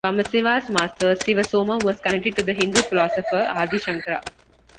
Vamasiva's master, Sivasoma, was connected to the Hindu philosopher Adi Shankara.